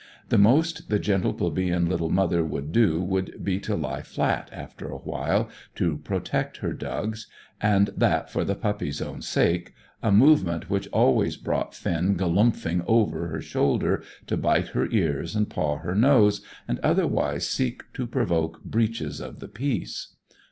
The most the gentle, plebeian little mother would do would be to lie flat, after a while, to protect her dugs and that for the puppy's own sake a movement which always brought Finn galumphing over her shoulder to bite her ears and paw her nose, and otherwise seek to provoke breaches of the peace.